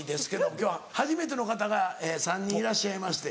今日は初めての方が３人いらっしゃいまして。